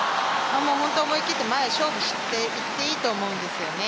思い切って前へ勝負していっていいと思うんですよね。